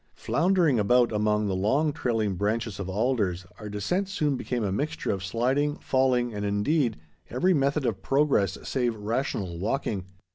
Floundering about among the long trailing branches of alders, our descent soon became a mixture of sliding, falling, and, indeed, every method of progress save rational walking.